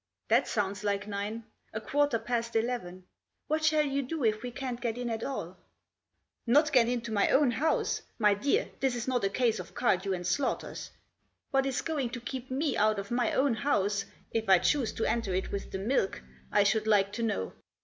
"That sounds like nine — a quarter past eleven. What shall you do if we can't get in at all ?" 94 Not get into my own house ? My dear, this is not a case of Cardew and Slaughter's. What is going to keep me out of my own house — if I choose to enter it with the milk !— I should like to know."